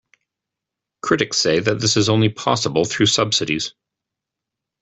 Critics say that this is only possible through subsidies.